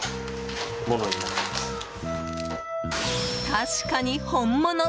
確かに本物！